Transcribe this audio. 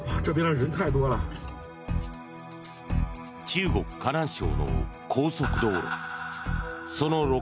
中国・河南省の高速道路。